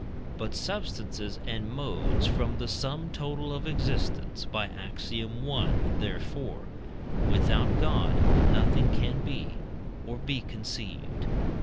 But substances and modes form the sum total of existence (by Ax. i.), therefore, without God nothing can be, or be conceived.